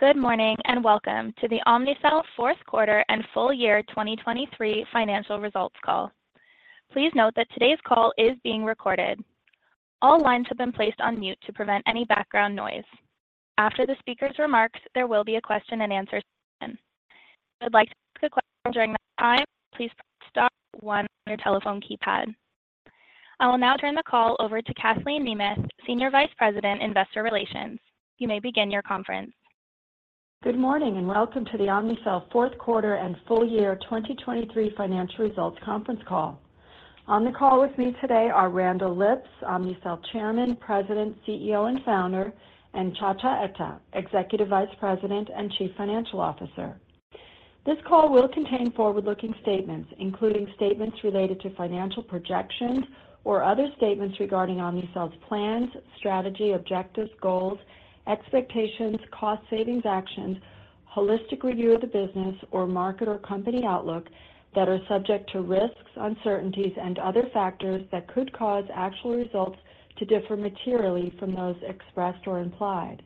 Good morning, and welcome to the Omnicell Fourth Quarter and Full Year 2023 Financial Results Call. Please note that today's call is being recorded. All lines have been placed on mute to prevent any background noise. After the speaker's remarks, there will be a question and answer session. If you'd like to ask a question during that time, please press star one on your telephone keypad. I will now turn the call over to Kathleen Nemeth, Senior Vice President, Investor Relations. You may begin your conference. Good morning, and welcome to the Omnicell Fourth Quarter and Full Year 2023 Financial Results Conference Call. On the call with me today are Randall Lipps, Omnicell Chairman, President, CEO, and Founder, and Nchacha Etta, Executive Vice President and Chief Financial Officer. This call will contain forward-looking statements, including statements related to financial projections or other statements regarding Omnicell's plans, strategy, objectives, goals, expectations, cost savings actions, holistic review of the business or market or company outlook that are subject to risks, uncertainties, and other factors that could cause actual results to differ materially from those expressed or implied.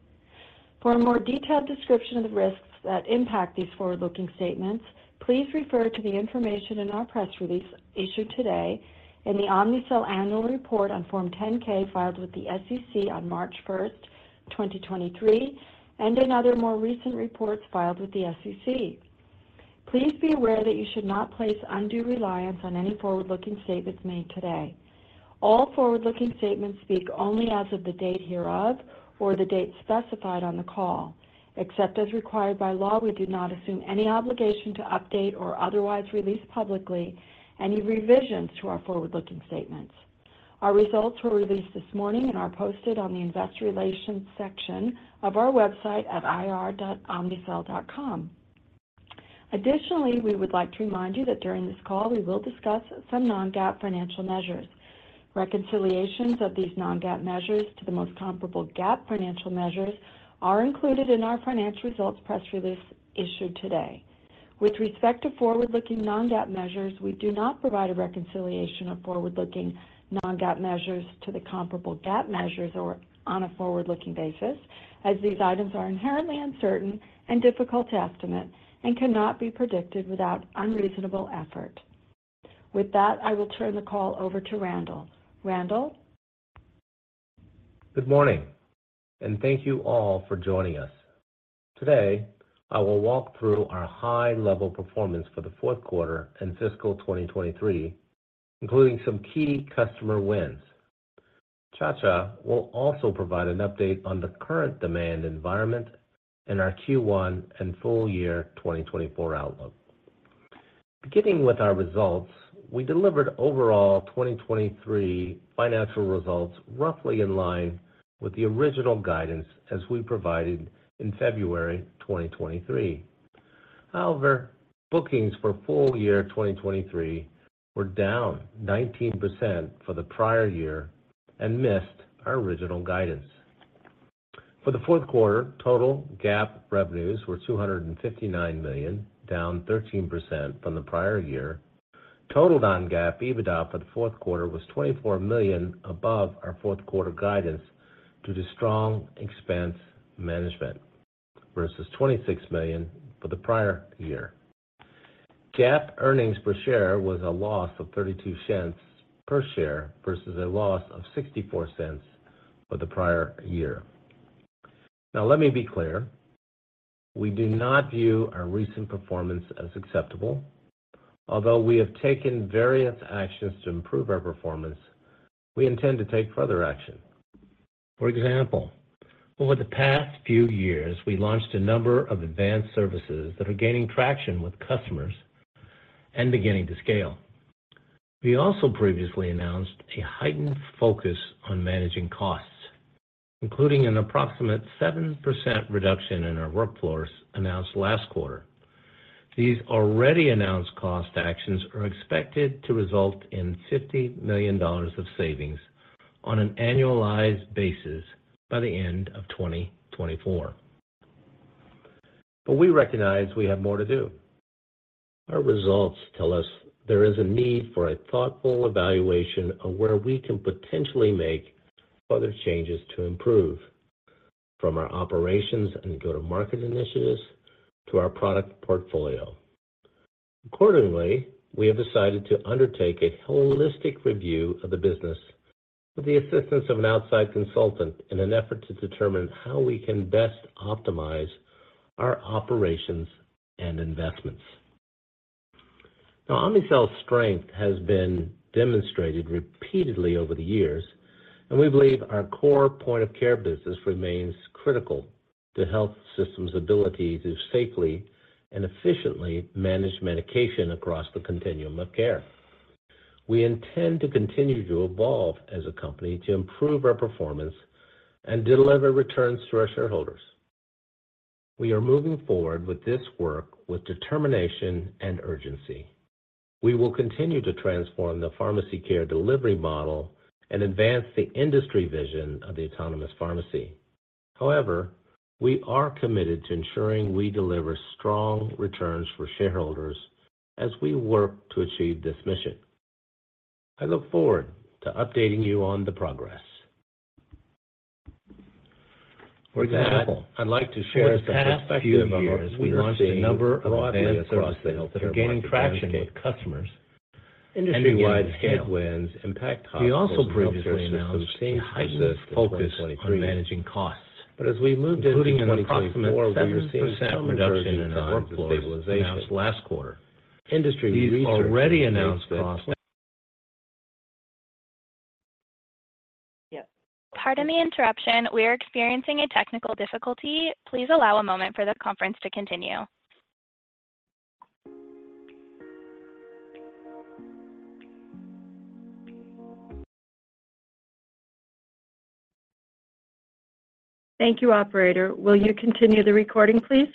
For a more detailed description of the risks that impact these forward-looking statements, please refer to the information in our press release issued today in the Omnicell Annual Report on Form 10-K, filed with the SEC on March 1st, 2023, and in other more recent reports filed with the SEC. Please be aware that you should not place undue reliance on any forward-looking statements made today. All forward-looking statements speak only as of the date hereof or the date specified on the call. Except as required by law, we do not assume any obligation to update or otherwise release publicly any revisions to our forward-looking statements. Our results were released this morning and are posted on the Investor Relations section of our website at ir.omnicell.com. Additionally, we would like to remind you that during this call, we will discuss some non-GAAP financial measures. Reconciliations of these non-GAAP measures to the most comparable GAAP financial measures are included in our financial results press release issued today. With respect to forward-looking non-GAAP measures, we do not provide a reconciliation of forward-looking non-GAAP measures to the comparable GAAP measures or on a forward-looking basis, as these items are inherently uncertain and difficult to estimate and cannot be predicted without unreasonable effort. With that, I will turn the call over to Randall. Randall? Good morning, and thank you all for joining us. Today, I will walk through our high-level performance for the fourth quarter and fiscal 2023, including some key customer wins. Nchacha will also provide an update on the current demand environment and our Q1 and full year 2024 outlook. Beginning with our results, we delivered overall 2023 financial results roughly in line with the original guidance as we provided in February 2023. However, bookings for full year 2023 were down 19% for the prior year and missed our original guidance. For the fourth quarter, total GAAP revenues were $259 million, down 13% from the prior year. Total non-GAAP EBITDA for the fourth quarter was $24 million above our fourth quarter guidance due to strong expense management, versus $26 million for the prior year. GAAP earnings per share was a loss of $0.32 per share versus a loss of $ 0.64 for the prior year. Now, let me be clear: We do not view our recent performance as acceptable. Although we have taken various actions to improve our performance, we intend to take further action. For example, over the past few years, we launched a number of advanced services that are gaining traction with customers and beginning to scale. We also previously announced a heightened focus on managing costs, including an approximate 7% reduction in our workforce announced last quarter. These already announced cost actions are expected to result in $50 million of savings on an annualized basis by the end of 2024. But we recognize we have more to do. Our results tell us there is a need for a thoughtful evaluation of where we can potentially make further changes to improve from our operations and go-to-market initiatives to our product portfolio. Accordingly, we have decided to undertake a holistic review of the business with the assistance of an outside consultant in an effort to determine how we can best optimize our operations and investments. Now, Omnicell's strength has been demonstrated repeatedly over the years, and we believe our core Point-of-Care business remains critical to health systems' ability to safely and efficiently manage medication across the continuum of care. We intend to continue to evolve as a company to improve our performance and deliver returns to our shareholders. We are moving forward with this work with determination and urgency. We will continue to transform the pharmacy care delivery model and advance the industry vision of the autonomous pharmacy. However, we are committed to ensuring we deliver strong returns for shareholders as we work to achieve this mission.... I look forward to updating you on the progress. Pardon the interruption. We are experiencing a technical difficulty. Please allow a moment for the conference to continue. Thank you, operator. Will you continue the recording, please?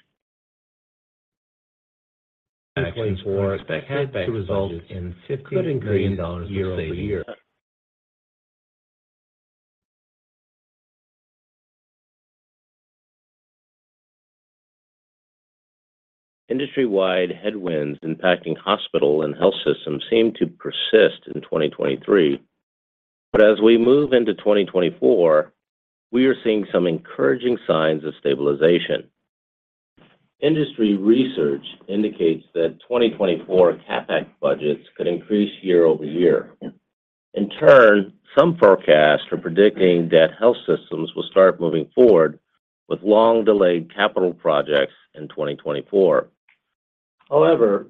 Industry-wide headwinds impacting hospital and health systems seem to persist in 2023. But as we move into 2024, we are seeing some encouraging signs of stabilization. Industry research indicates that 2024 CapEx budgets could increase year-over-year. In turn, some forecasts are predicting that health systems will start moving forward with long-delayed capital projects in 2024. However,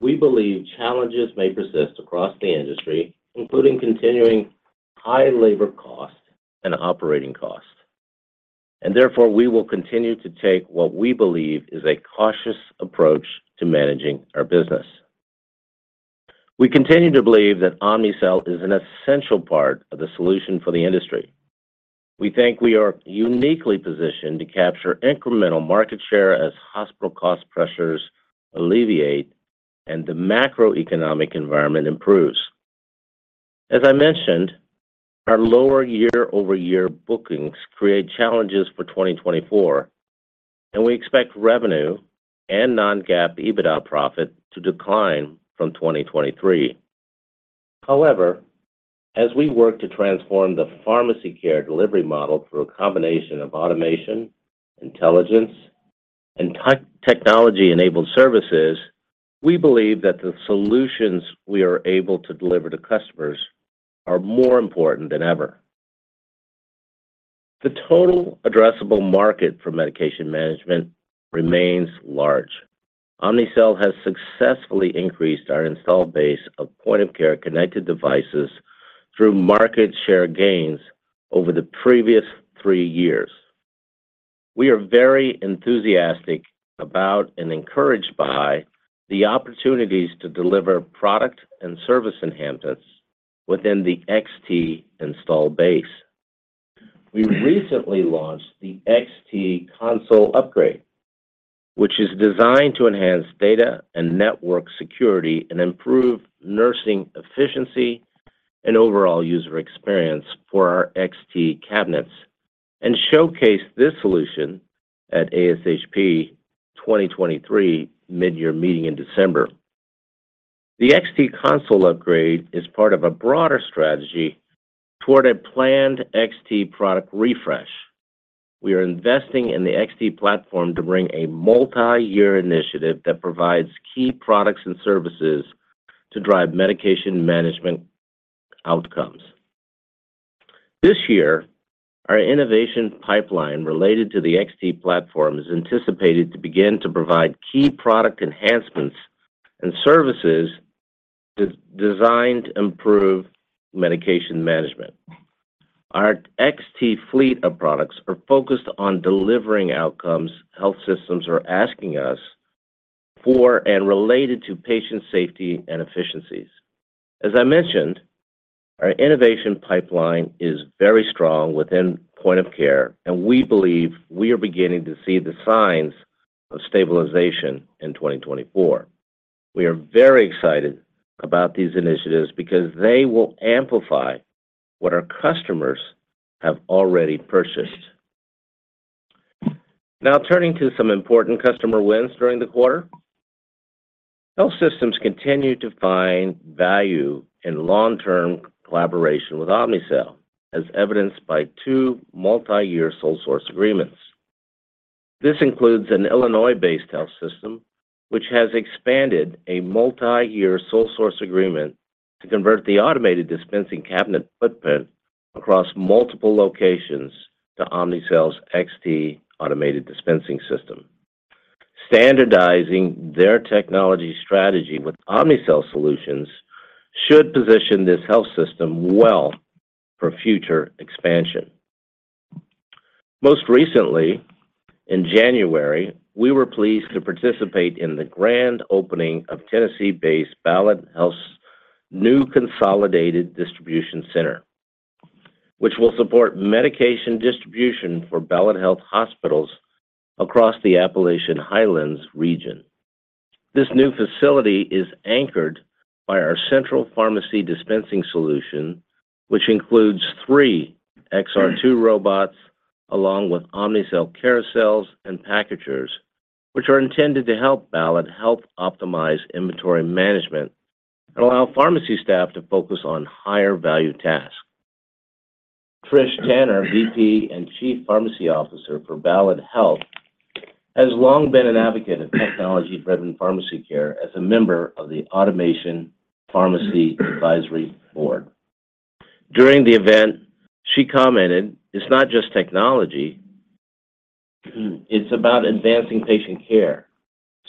we believe challenges may persist across the industry, including continuing high labor costs and operating costs, and therefore, we will continue to take what we believe is a cautious approach to managing our business. We continue to believe that Omnicell is an essential part of the solution for the industry. We think we are uniquely positioned to capture incremental market share as hospital cost pressures alleviate and the macroeconomic environment improves. As I mentioned, our lower year-over-year bookings create challenges for 2024, and we expect revenue and non-GAAP EBITDA profit to decline from 2023. However, as we work to transform the pharmacy care delivery model through a combination of automation, intelligence, and tech, technology-enabled services, we believe that the solutions we are able to deliver to customers are more important than ever. The total addressable market for medication management remains large. Omnicell has successfully increased our installed base of point-of-care connected devices through market share gains over the previous three years. We are very enthusiastic about and encouraged by the opportunities to deliver product and service enhancements within the XT installed base. We recently launched the XT Console Upgrade, which is designed to enhance data and network security and improve nursing efficiency and overall user experience for our XT cabinets, and showcased this solution at ASHP 2023 midyear meeting in December. The XT Console Upgrade is part of a broader strategy toward a planned XT product refresh. We are investing in the XT platform to bring a multi-year initiative that provides key products and services to drive medication management outcomes. This year, our innovation pipeline related to the XT platform is anticipated to begin to provide key product enhancements and services designed to improve medication management. Our XT fleet of products are focused on delivering outcomes health systems are asking us for and related to patient safety and efficiencies. As I mentioned, our innovation pipeline is very strong within Point-of-Care, and we believe we are beginning to see the signs of stabilization in 2024. We are very excited about these initiatives because they will amplify what our customers have already purchased. Now, turning to some important customer wins during the quarter. Health systems continue to find value in long-term collaboration with Omnicell, as evidenced by two multi-year sole source agreements. This includes an Illinois-based health system, which has expanded a multi-year sole source agreement to convert the automated dispensing cabinet footprint across multiple locations to Omnicell's XT Automated Dispensing System. Standardizing their technology strategy with Omnicell solutions should position this health system well for future expansion. Most recently, in January, we were pleased to participate in the grand opening of Tennessee-based Ballad Health's new Consolidated Distribution Center, which will support medication distribution for Ballad Health hospitals across the Appalachian Highlands region. This new facility is anchored by our central pharmacy dispensing solution, which includes three XR2 robots, along with Omnicell carousels and packagers, which are intended to help Ballad Health optimize inventory management and allow pharmacy staff to focus on higher value tasks. Trish Tanner, VP and Chief Pharmacy Officer for Ballad Health, has long been an advocate of technology-driven pharmacy care as a member of the Autonomous Pharmacy Advisory Board. During the event, she commented, "It's not just technology, it's about advancing patient care,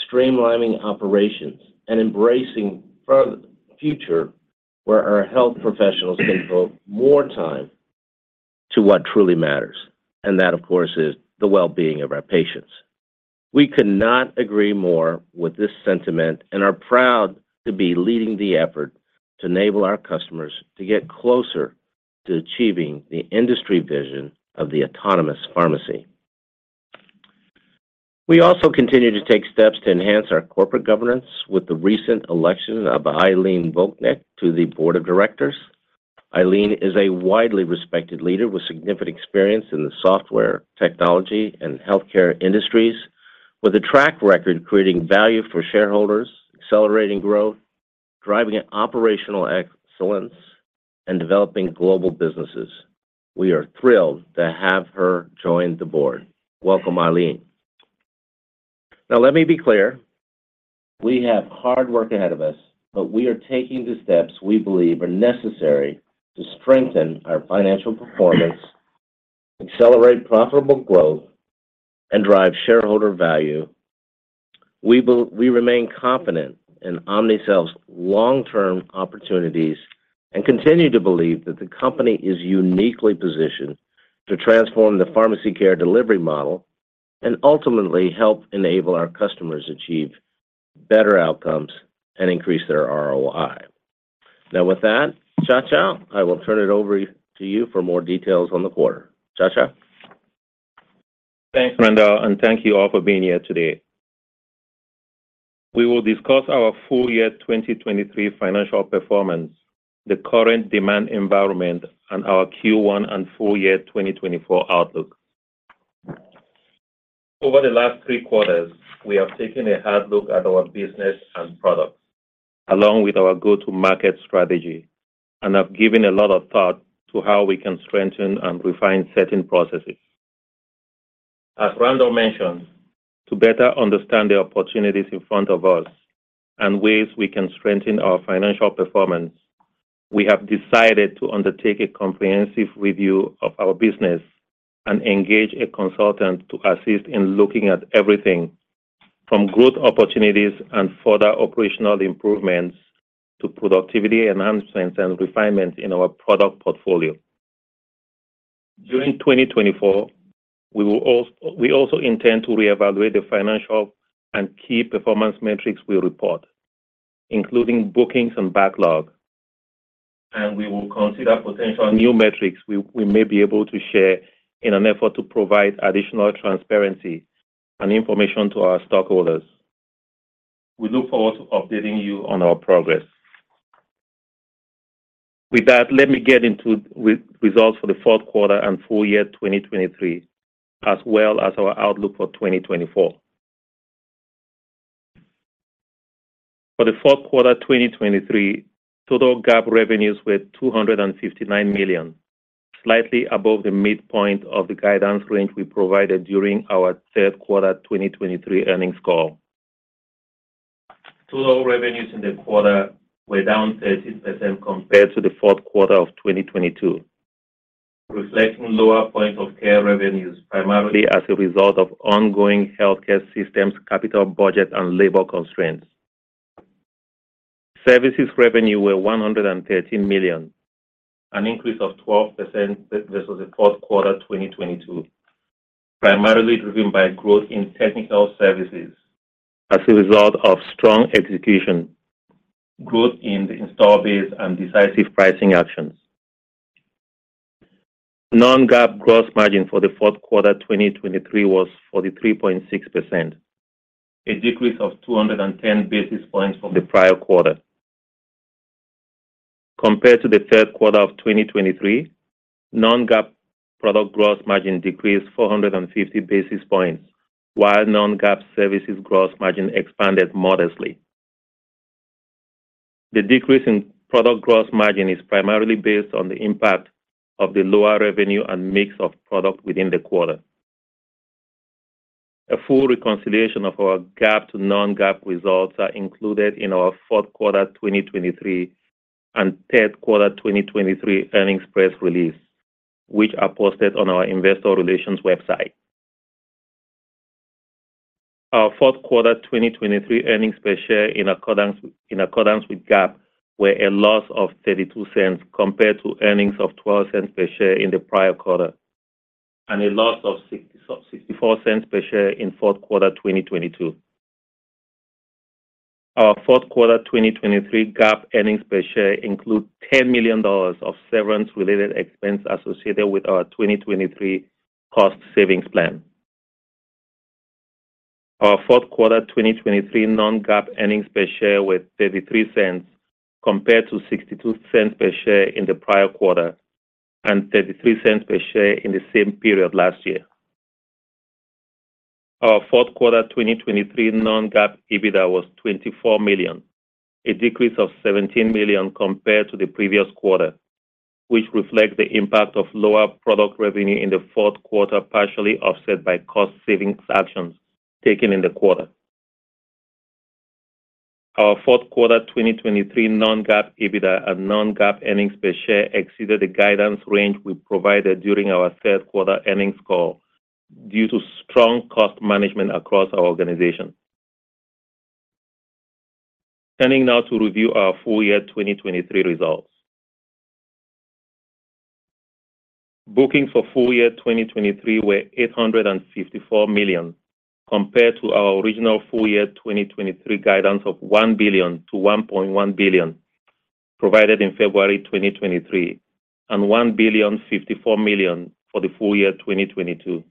streamlining operations, and embracing for the future where our health professionals can devote more time to what truly matters, and that, of course, is the well-being of our patients." We could not agree more with this sentiment and are proud to be leading the effort to enable our customers to get closer to achieving the industry vision of the Autonomous Pharmacy. We also continue to take steps to enhance our corporate governance with the recent election of Eileen Voynick to the board of directors. Eileen is a widely respected leader with significant experience in the software, technology, and healthcare industries, with a track record creating value for shareholders, accelerating growth, driving operational excellence, and developing global businesses. We are thrilled to have her join the board. Welcome, Eileen. Now, let me be clear, we have hard work ahead of us, but we are taking the steps we believe are necessary to strengthen our financial performance, accelerate profitable growth, and drive shareholder value. We remain confident in Omnicell's long-term opportunities and continue to believe that the company is uniquely positioned to transform the pharmacy care delivery model and ultimately help enable our customers achieve better outcomes and increase their ROI. Now, with that, Nchacha, I will turn it over to you for more details on the quarter. Nchacha? Thanks, Randall, and thank you all for being here today. We will discuss our full year 2023 financial performance, the current demand environment, and our Q1 and full year 2024 outlook. Over the last three quarters, we have taken a hard look at our business and products, along with our go-to-market strategy, and have given a lot of thought to how we can strengthen and refine certain processes. As Randall mentioned, to better understand the opportunities in front of us and ways we can strengthen our financial performance, we have decided to undertake a comprehensive review of our business and engage a consultant to assist in looking at everything from growth opportunities and further operational improvements, to productivity enhancements and refinements in our product portfolio. During 2024, we will also intend to reevaluate the financial and key performance metrics we report, including bookings and backlog, and we will consider potential new metrics we may be able to share in an effort to provide additional transparency and information to our stockholders. We look forward to updating you on our progress. With that, let me get into results for the fourth quarter and full year 2023, as well as our outlook for 2024. For the fourth quarter 2023, total GAAP revenues were $259 million, slightly above the midpoint of the guidance range we provided during our third quarter 2023 earnings call. Total revenues in the quarter were down 13% compared to the fourth quarter of 2022, reflecting lower Point-of-Care revenues, primarily as a result of ongoing healthcare systems, capital budget, and labor constraints. Services revenue were $113 million, an increase of 12% versus the fourth quarter 2022, primarily driven by growth in technical services as a result of strong execution, growth in the install base, and decisive pricing actions. Non-GAAP gross margin for the fourth quarter 2023 was 43.6%, a decrease of 210 basis points from the prior quarter. Compared to the third quarter of 2023, non-GAAP product gross margin decreased 450 basis points, while non-GAAP services gross margin expanded modestly. The decrease in product gross margin is primarily based on the impact of the lower revenue and mix of product within the quarter. A full reconciliation of our GAAP to non-GAAP results are included in our fourth quarter 2023 and third quarter 2023 earnings press release, which are posted on our investor relations website. Our fourth quarter 2023 earnings per share in accordance with GAAP were a loss of $0.32 compared to earnings of $0.12 per share in the prior quarter, and a loss of $0.64 per share in fourth quarter 2022. Our fourth quarter 2023 GAAP earnings per share include $10 million of severance-related expense associated with our 2023 cost savings plan. Our fourth quarter 2023 non-GAAP earnings per share were $0.33, compared to $0.62 per share in the prior quarter-... and $0.33 per share in the same period last year. Our fourth quarter 2023 non-GAAP EBITDA was $24 million, a decrease of $17 million compared to the previous quarter, which reflects the impact of lower product revenue in the fourth quarter, partially offset by cost savings actions taken in the quarter. Our fourth quarter 2023 non-GAAP EBITDA and non-GAAP earnings per share exceeded the guidance range we provided during our third quarter earnings call due to strong cost management across our organization. Turning now to review our full year 2023 results. Bookings for full year 2023 were $854 million, compared to our original full year 2023 guidance of $1 billion-$1.1 billion, provided in February 2023, and $1.054 billion for the full year 2022,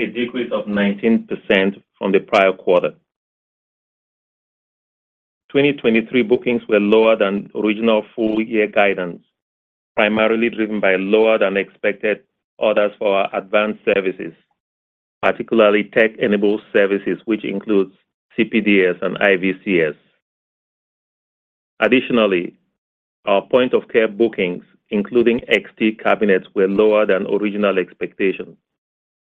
a decrease of 19% from the prior quarter. 2023 bookings were lower than original full year guidance, primarily driven by lower than expected orders for our advanced services, particularly tech-enabled services, which includes CPDS and IVCS. Additionally, our Point-of-Care bookings, including XT cabinets, were lower than original expectations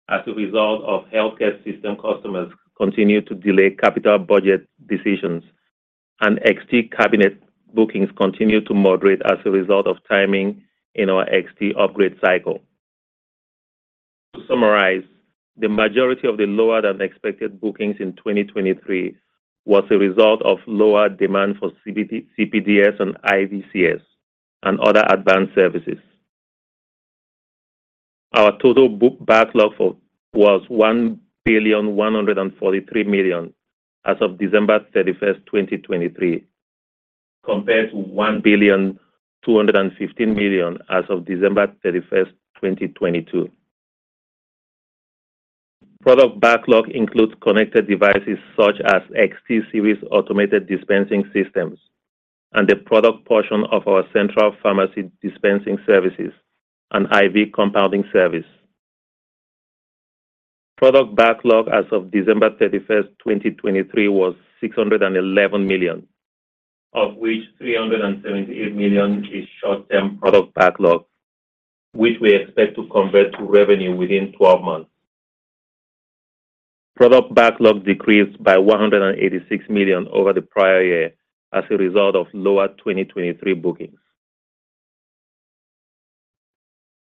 as a result of healthcare system customers continued to delay capital budget decisions, and XT cabinet bookings continued to moderate as a result of timing in our XT upgrade cycle. To summarize, the majority of the lower-than-expected bookings in 2023 was a result of lower demand for CPDS and IVCS and other advanced services. Our total book backlog was $1.143 billion as of December 31st, 2023, compared to $1.215 billion as of December 31st, 2022. Product backlog includes connected devices such as XT series, automated dispensing systems, and the product portion of our central pharmacy dispensing services and IV compounding service. Product backlog as of December 31st, 2023, was $611 million, of which $378 million is short-term product backlog, which we expect to convert to revenue within 12 months. Product backlog decreased by $186 million over the prior year as a result of lower 2023 bookings.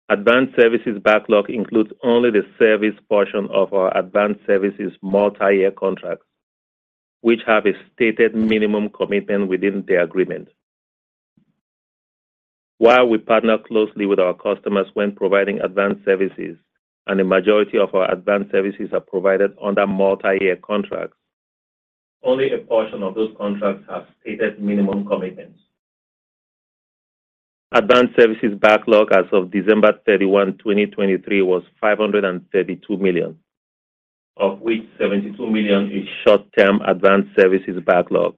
Advanced services backlog includes only the service portion of our advanced services multi-year contracts, which have a stated minimum commitment within the agreement. While we partner closely with our customers when providing advanced services, and the majority of our advanced services are provided under multi-year contracts, only a portion of those contracts have stated minimum commitments. Advanced services backlog as of December 31, 2023, was $532 million, of which $72 million is short-term advanced services backlog,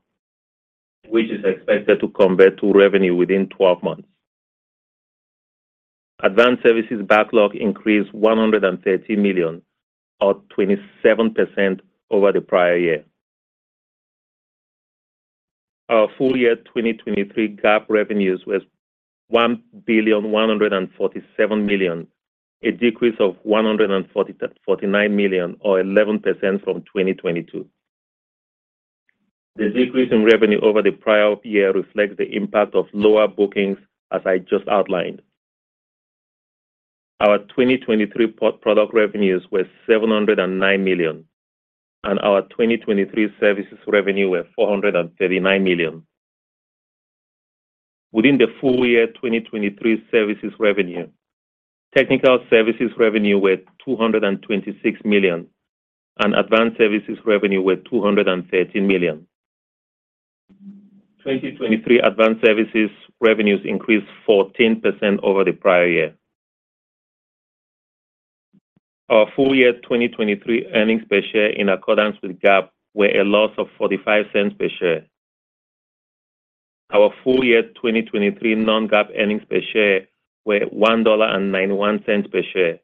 which is expected to convert to revenue within 12 months. Advanced services backlog increased $130 million, or 27% over the prior year. Our full year 2023 GAAP revenues was $1.147 billion, a decrease of $149 million, or 11% from 2022. The decrease in revenue over the prior year reflects the impact of lower bookings, as I just outlined. Our 2023 product revenues were $709 million, and our 2023 services revenue were $439 million. Within the full year 2023 services revenue, technical services revenue were $226 million, and advanced services revenue were $213 million. 2023 advanced services revenues increased 14% over the prior year. Our full year 2023 earnings per share in accordance with GAAP were a loss of $0.45 per share. Our full year 2023 non-GAAP earnings per share were $1.91 per share,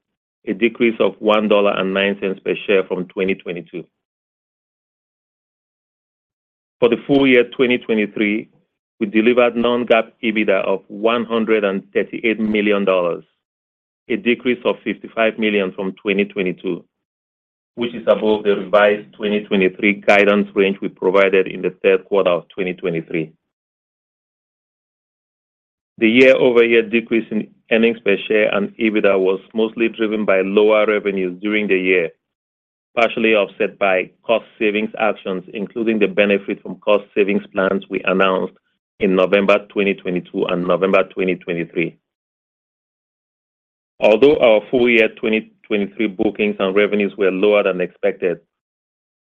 a decrease of $1.09 per share from 2022. For the full year 2023, we delivered non-GAAP EBITDA of $138 million, a decrease of $55 million from 2022, which is above the revised 2023 guidance range we provided in the third quarter of 2023. The year-over-year decrease in earnings per share and EBITDA was mostly driven by lower revenues during the year, partially offset by cost savings actions, including the benefit from cost savings plans we announced in November 2022 and November 2023. Although our full year 2023 bookings and revenues were lower than expected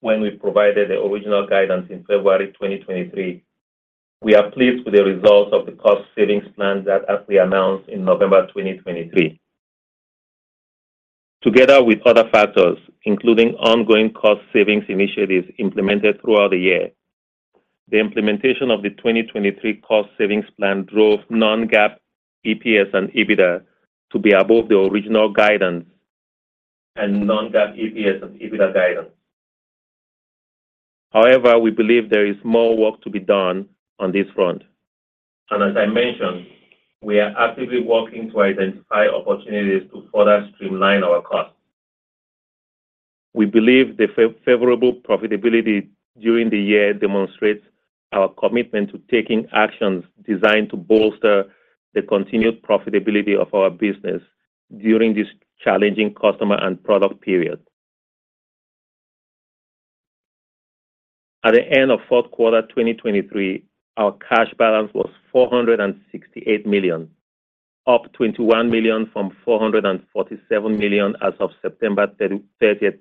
when we provided the original guidance in February 2023, we are pleased with the results of the cost savings plan that, as we announced, in November 2023. Together with other factors, including ongoing cost savings initiatives implemented throughout the year, the implementation of the 2023 cost savings plan drove non-GAAP EPS and EBITDA to be above the original guidance and non-GAAP EPS and EBITDA guidance. However, we believe there is more work to be done on this front, and as I mentioned, we are actively working to identify opportunities to further streamline our costs. We believe the favorable profitability during the year demonstrates our commitment to taking actions designed to bolster the continued profitability of our business during this challenging customer and product period. At the end of fourth quarter 2023, our cash balance was $468 million, up $21 million from $447 million as of September 30th,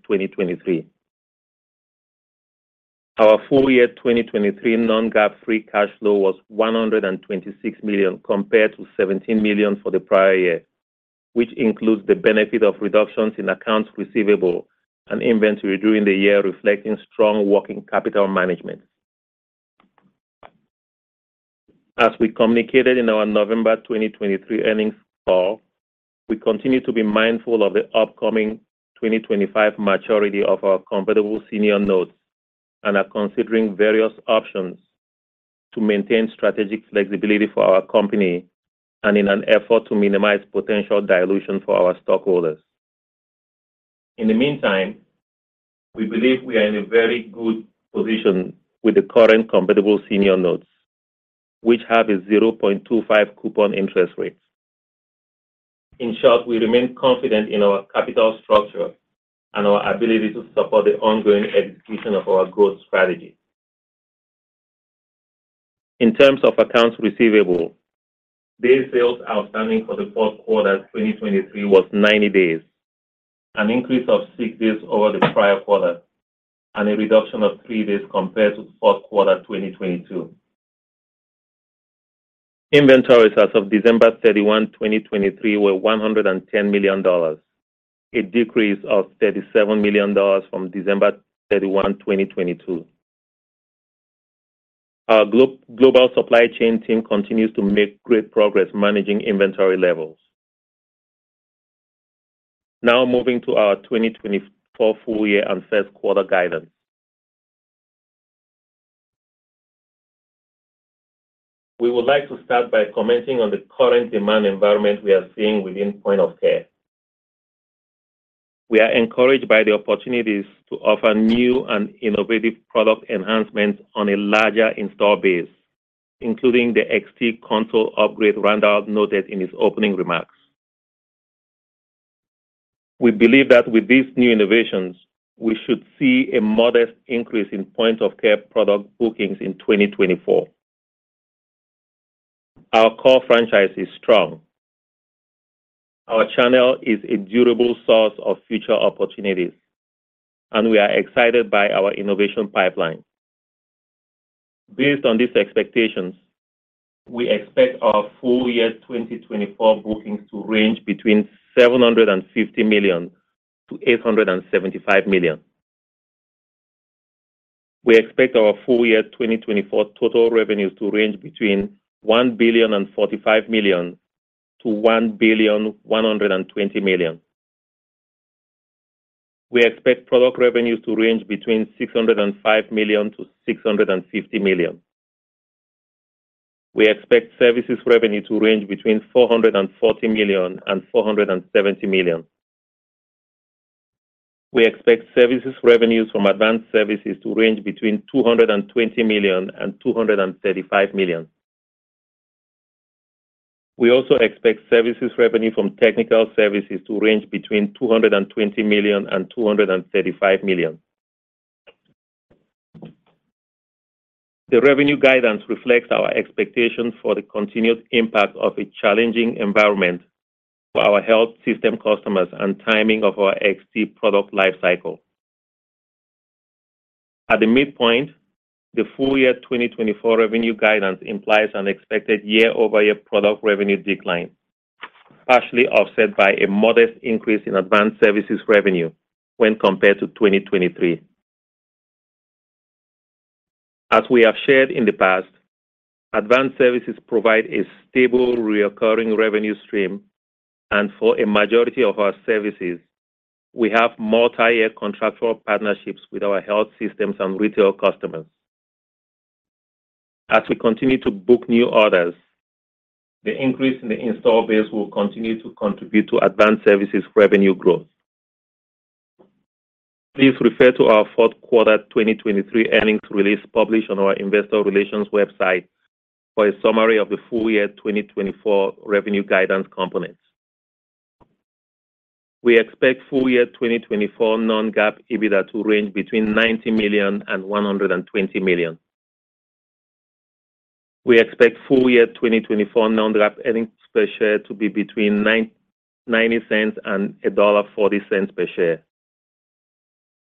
2023. Our full year 2023 non-GAAP free cash flow was $126 million, compared to $17 million for the prior year, which includes the benefit of reductions in accounts receivable and inventory during the year, reflecting strong working capital management. As we communicated in our November 2023 earnings call, we continue to be mindful of the upcoming 2025 maturity of our convertible senior notes and are considering various options to maintain strategic flexibility for our company and in an effort to minimize potential dilution for our stockholders. In the meantime, we believe we are in a very good position with the current convertible senior notes, which have a 0.25 coupon interest rate. In short, we remain confident in our capital structure and our ability to support the ongoing execution of our growth strategy. In terms of accounts receivable, day sales outstanding for the fourth quarter 2023 was 90 days, an increase of six days over the prior quarter and a reduction of three days compared to the fourth quarter 2022. Inventories as of December 31, 2023, were $110 million, a decrease of $37 million from December 31, 2022. Our global supply chain team continues to make great progress managing inventory levels. Now moving to our 2024 full year and first quarter guidance. We would like to start by commenting on the current demand environment we are seeing within Point-of-Care. We are encouraged by the opportunities to offer new and innovative product enhancements on a larger install base, including the XT Console Upgrade Randall noted in his opening remarks. We believe that with these new innovations, we should see a modest increase in Point-of-Care product bookings in 2024. Our core franchise is strong. Our channel is a durable source of future opportunities, and we are excited by our innovation pipeline. Based on these expectations, we expect our full year 2024 bookings to range between $750 million- $875 million. We expect our full year 2024 total revenues to range between $1.045 billion-$1.120 billion. We expect product revenues to range between $605 million-$650 million. We expect services revenue to range between $440 million-$470 million. We expect services revenues from advanced services to range between $220 million-$235 million. We also expect services revenue from technical services to range between $220 million-$235 million. The revenue guidance reflects our expectation for the continued impact of a challenging environment for our health system customers and timing of our XT product lifecycle. At the midpoint, the full year 2024 revenue guidance implies an expected year-over-year product revenue decline, partially offset by a modest increase in advanced services revenue when compared to 2023. As we have shared in the past, advanced services provide a stable, recurring revenue stream, and for a majority of our services, we have multi-year contractual partnerships with our health systems and retail customers. As we continue to book new orders, the increase in the install base will continue to contribute to advanced services revenue growth. Please refer to our fourth quarter 2023 earnings release published on our investor relations website for a summary of the full year 2024 revenue guidance components. We expect full year 2024 non-GAAP EBITDA to range between $90 million and $120 million. We expect full year 2024 non-GAAP earnings per share to be between $0.90 and $1.40 per share.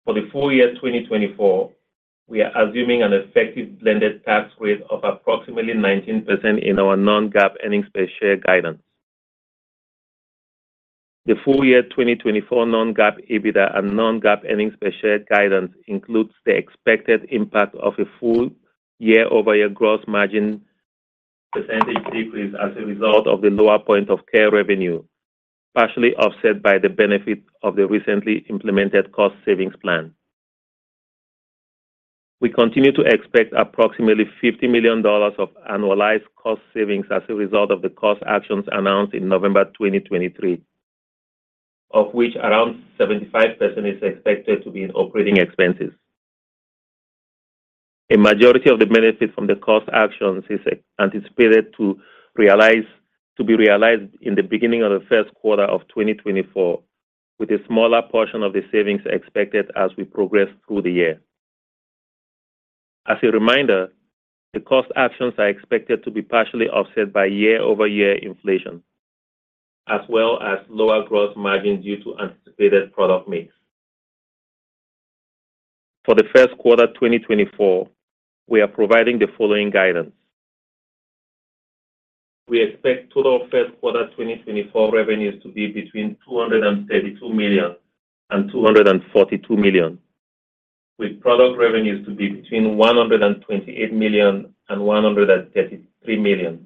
For the full year 2024, we are assuming an effective blended tax rate of approximately 19% in our non-GAAP earnings per share guidance. The full year 2024 non-GAAP EBITDA and non-GAAP earnings per share guidance includes the expected impact of a full year-over-year gross margin percentage decrease as a result of the lower Point-of-Care revenue, partially offset by the benefit of the recently implemented cost savings plan. We continue to expect approximately $50 million of annualized cost savings as a result of the cost actions announced in November 2023, of which around 75% is expected to be in operating expenses. A majority of the benefits from the cost actions is anticipated to realize, to be realized in the beginning of the first quarter of 2024, with a smaller portion of the savings expected as we progress through the year. As a reminder, the cost actions are expected to be partially offset by year-over-year inflation, as well as lower gross margin due to anticipated product mix. For the first quarter 2024, we are providing the following guidance: We expect total first quarter 2024 revenues to be between $232 million and $242 million, with product revenues to be between $128 million and $133 million,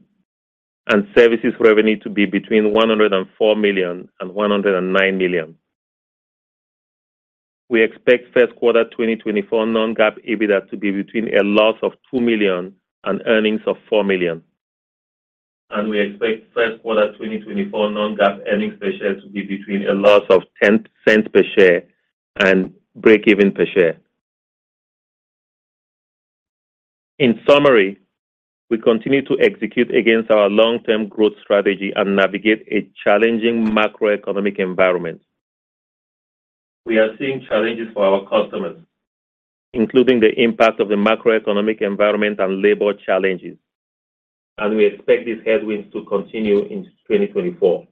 and services revenue to be between $104 million and $109 million. We expect first quarter 2024 non-GAAP EBITDA to be between a loss of $2 million and earnings of $4 million. We expect first quarter 2024 non-GAAP earnings per share to be between a loss of $0.10 per share and breakeven per share. In summary, we continue to execute against our long-term growth strategy and navigate a challenging macroeconomic environment. We are seeing challenges for our customers, including the impact of the macroeconomic environment and labor challenges, and we expect these headwinds to continue in 2024.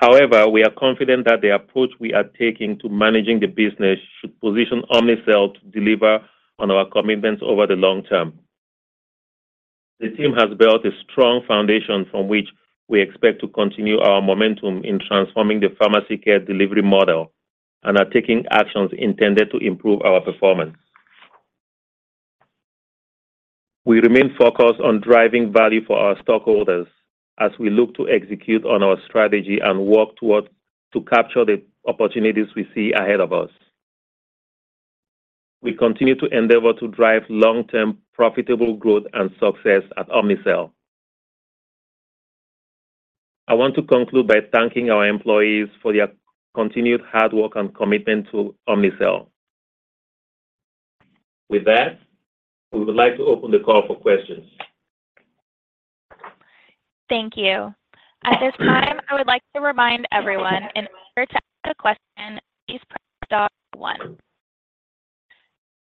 However, we are confident that the approach we are taking to managing the business should position Omnicell to deliver on our commitments over the long term. The team has built a strong foundation from which we expect to continue our momentum in transforming the pharmacy care delivery model and are taking actions intended to improve our performance. We remain focused on driving value for our stockholders as we look to execute on our strategy and work towards to capture the opportunities we see ahead of us. We continue to endeavor to drive long-term, profitable growth and success at Omnicell. I want to conclude by thanking our employees for their continued hard work and commitment to Omnicell. With that, we would like to open the call for questions. Thank you. At this time, I would like to remind everyone, in order to ask a question, please press star one.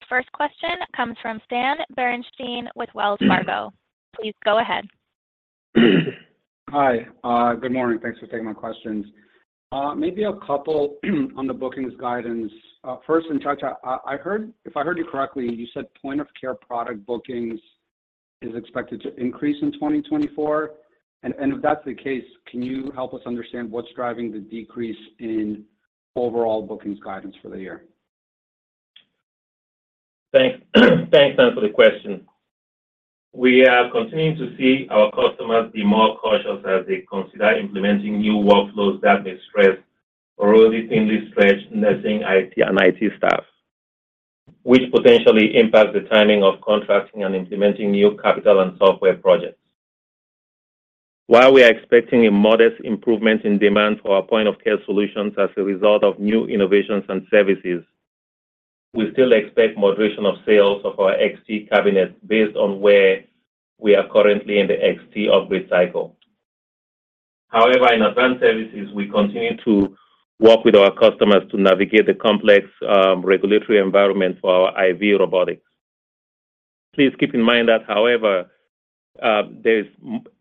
First question comes from Stan Berenshteyn with Wells Fargo. Please go ahead. Hi, good morning. Thanks for taking my questions. Maybe a couple on the bookings guidance. First, Nchacha, I heard—if I heard you correctly, you said Point-of-Care product bookings is expected to increase in 2024? And if that's the case, can you help us understand what's driving the decrease in overall bookings guidance for the year? Thanks, thanks, Stan, for the question. We are continuing to see our customers be more cautious as they consider implementing new workflows that may stress or only thinly stretch nursing, IT, and IT staff, which potentially impact the timing of contracting and implementing new capital and software projects. While we are expecting a modest improvement in demand for our Point-of-Care solutions as a result of new innovations and services, we still expect moderation of sales of our XT cabinets based on where we are currently in the XT upgrade cycle. However, in advanced services, we continue to work with our customers to navigate the complex regulatory environment for our IV robotics. Please keep in mind that however, there is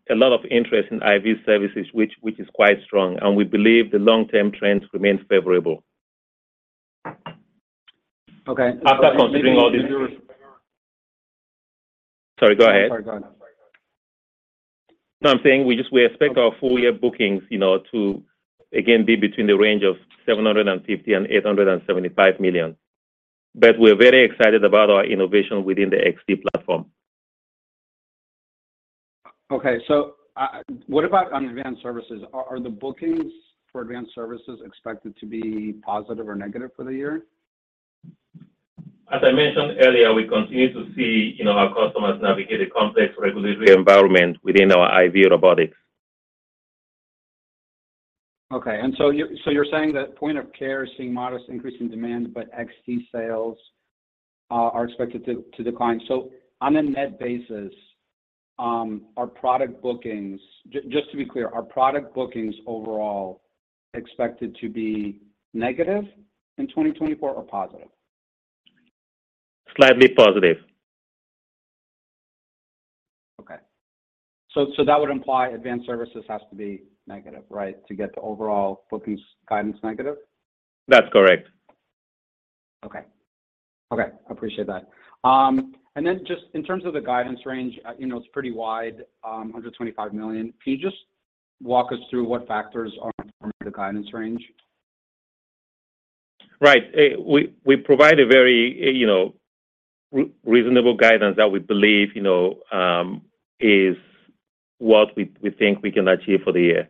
a lot of interest in IV services, which is quite strong, and we believe the long-term trends remain favorable. Okay. After considering all this... Sorry, go ahead. Sorry, go ahead. So I'm saying we just, we expect our full year bookings, you know, to again, be between the range of $750 million-$875 million. But we're very excited about our innovation within the XT platform. Okay. So, what about on advanced services? Are the bookings for advanced services expected to be positive or negative for the year? As I mentioned earlier, we continue to see, you know, our customers navigate a complex regulatory environment within our IV robotics. Okay, and so you so you're saying that Point-of-Care is seeing modest increase in demand, but XT sales are expected to decline. So on a net basis, are product bookings... Just to be clear, are product bookings overall expected to be negative in 2024 or positive? Slightly positive.... So that would imply advanced services has to be negative, right? To get the overall bookings guidance negative? That's correct. Okay. Okay, I appreciate that. And then just in terms of the guidance range, you know, it's pretty wide, $125 million. Can you just walk us through what factors are from the guidance range? Right. We provide a very, you know, reasonable guidance that we believe, you know, is what we think we can achieve for the year.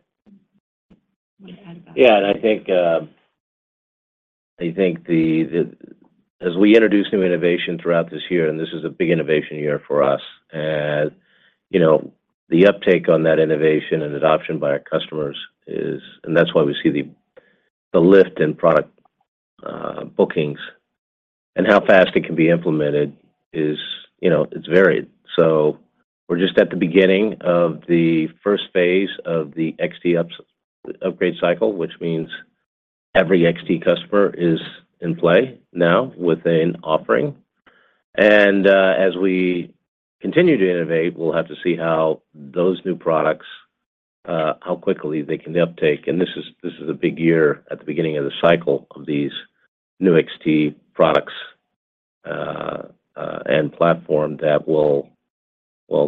You want to add that? Yeah, and I think, I think as we introduce new innovation throughout this year, and this is a big innovation year for us, and, you know, the uptake on that innovation and adoption by our customers is... And that's why we see the lift in product bookings, and how fast it can be implemented is, you know, it's varied. So we're just at the beginning of the first phase of the XT upgrade cycle, which means every XT customer is in play now with an offering. And, as we continue to innovate, we'll have to see how those new products, how quickly they can uptake. And this is a big year at the beginning of the cycle of these new XT products and platform that will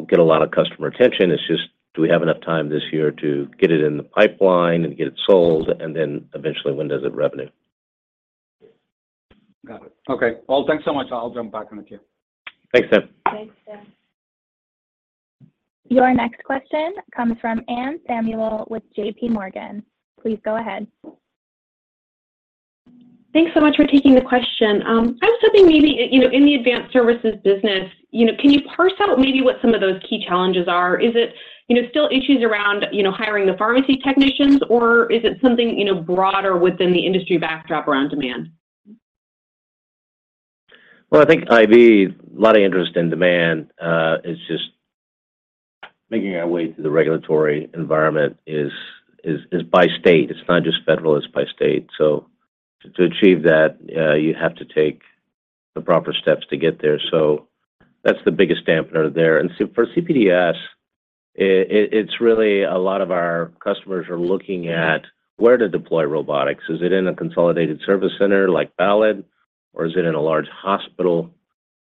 get a lot of customer attention. It's just, do we have enough time this year to get it in the pipeline and get it sold, and then eventually, when does it revenue? Got it. Okay, well, thanks so much. I'll jump back in the queue. Thanks, Stan. Thanks, Stan Your next question comes from Anne Samuel with JPMorgan. Please go ahead. Thanks so much for taking the question. I was hoping maybe, you know, in the advanced services business, you know, can you parse out maybe what some of those key challenges are? Is it, you know, still issues around, you know, hiring the pharmacy technicians, or is it something, you know, broader within the industry backdrop around demand? Well, I think IV, a lot of interest in demand, is just making our way through the regulatory environment is by state. It's not just federal, it's by state. So to achieve that, you have to take the proper steps to get there. So that's the biggest dampener there. And so for CPDS, it's really a lot of our customers are looking at where to deploy robotics. Is it in a consolidated service center like Ballad, or is it in a large hospital?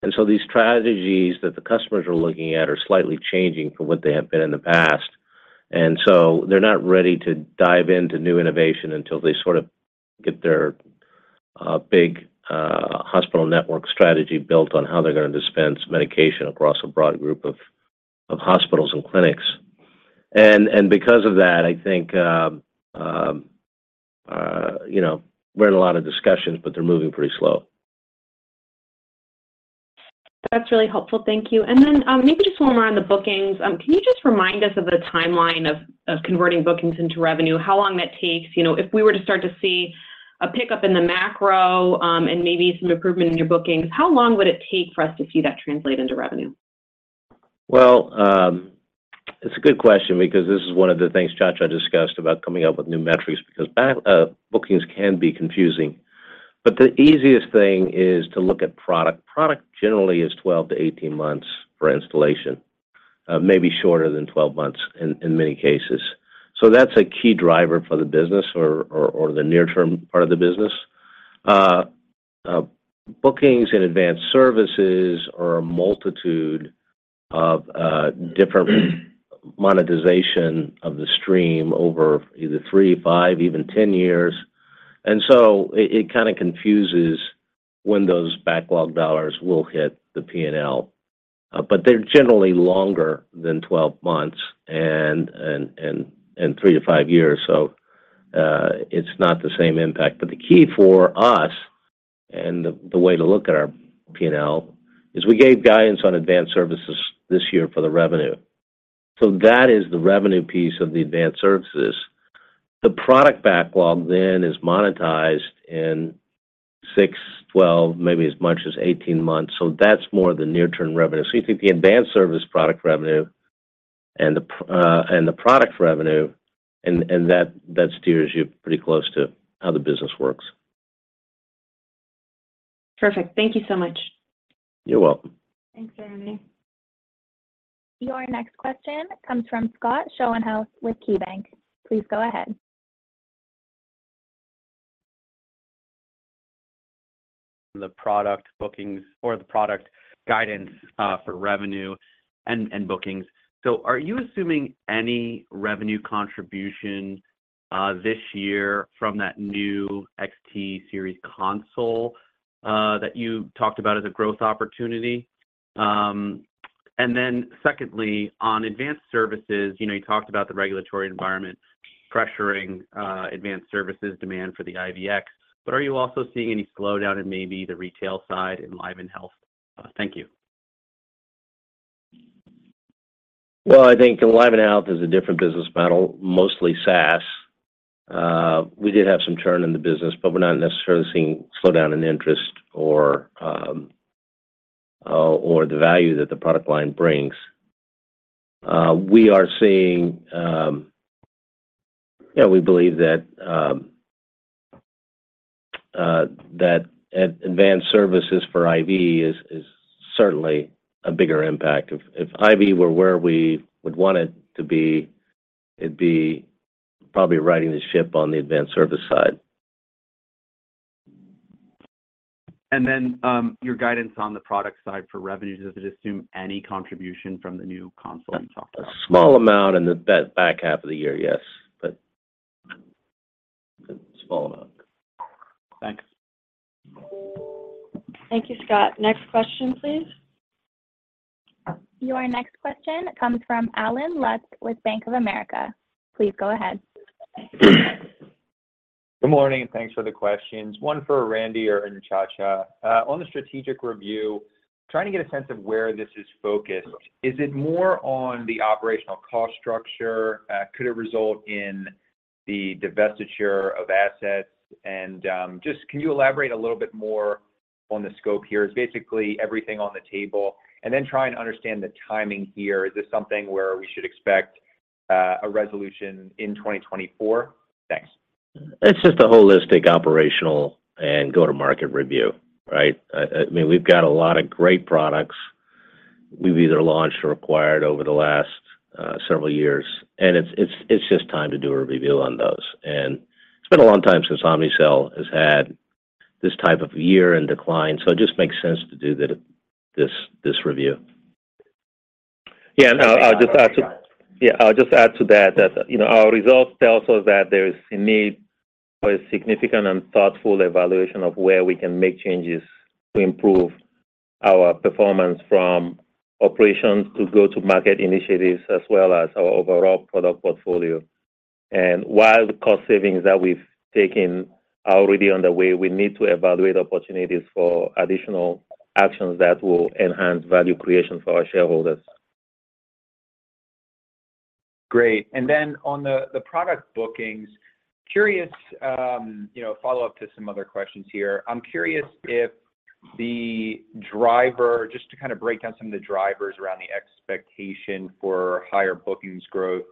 And so these strategies that the customers are looking at are slightly changing from what they have been in the past. And so they're not ready to dive into new innovation until they sort of get their big hospital network strategy built on how they're gonna dispense medication across a broad group of hospitals and clinics. And because of that, I think, you know, we're in a lot of discussions, but they're moving pretty slow. That's really helpful. Thank you. Then, maybe just one more on the bookings. Can you just remind us of the timeline of converting bookings into revenue? How long that takes? You know, if we were to start to see a pickup in the macro, and maybe some improvement in your bookings, how long would it take for us to see that translate into revenue? Well, it's a good question because this is one of the things Nchacha discussed about coming up with new metrics, because backlog bookings can be confusing. But the easiest thing is to look at product. Product generally is 12 to 18 months for installation, maybe shorter than 12 months in many cases. So that's a key driver for the business or the near-term part of the business. Bookings and advanced services are a multitude of different monetization of the stream over either three, five, even 10 years, and so it kind of confuses when those backlog dollars will hit the P&L. But they're generally longer than 12 months and three to five years, so it's not the same impact. But the key for us, and the way to look at our P&L, is we gave guidance on advanced services this year for the revenue. So that is the revenue piece of the advanced services. The product backlog then is monetized in six, 12, maybe as much as 18 months. So that's more the near-term revenue. So you think the advanced service product revenue and the product revenue, and that steers you pretty close to how the business works. Perfect. Thank you so much. You're welcome. Thanks, Anne. Your next question comes from Scott Schoenhaus with KeyBanc Capital Markets. Please go ahead. The product bookings or the product guidance, for revenue and, and bookings. So are you assuming any revenue contribution, this year from that new XT series console, that you talked about as a growth opportunity? And then secondly, on advanced services, you know, you talked about the regulatory environment pressuring, advanced services demand for the IVX, but are you also seeing any slowdown in maybe the retail side in EnlivenHealth? Thank you. Well, I think EnlivenHealth is a different business model, mostly SaaS. We did have some churn in the business, but we're not necessarily seeing slowdown in interest or, or the value that the product line brings. We are seeing... We believe that advanced services for IV is certainly a bigger impact. If IV were where we would want it to be, it'd be probably righting the ship on the advanced service side. And then, your guidance on the product side for revenues, does it assume any contribution from the new console you talked about? A small amount in the back, back half of the year, yes, but a small amount. Thanks. Thank you, Scott. Next question, please. Your next question comes from Allen Lutz with Bank of America. Please go ahead. Good morning, and thanks for the questions. One for Randy or Nchacha. On the strategic review, trying to get a sense of where this is focused, is it more on the operational cost structure? Could it result in the divestiture of assets? And, just can you elaborate a little bit more on the scope here? Is basically everything on the table? And then try and understand the timing here. Is this something where we should expect, a resolution in 2024? Thanks. It's just a holistic, operational, and go-to-market review, right? I mean, we've got a lot of great products we've either launched or acquired over the last several years, and it's just time to do a review on those. It's been a long time since Omnicell has had this type of year in decline, so it just makes sense to do this review. Yeah, I'll just add to that, you know, our results tells us that there is a need for a significant and thoughtful evaluation of where we can make changes to improve our performance from operations to go-to-market initiatives, as well as our overall product portfolio. While the cost savings that we've taken are already on the way, we need to evaluate opportunities for additional actions that will enhance value creation for our shareholders. Great. And then on the product bookings, curious, you know, follow-up to some other questions here. I'm curious if the driver, just to kind of break down some of the drivers around the expectation for higher bookings growth